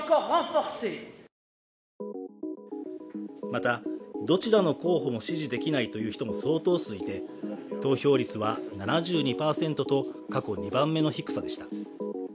また、どちらの候補も支持できないという人も相当数いて、投票率は７２％と過去２番目の低さでした。